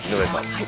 はい。